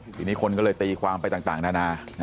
ทีนี้คนก็เลยตีความไปต่างนานา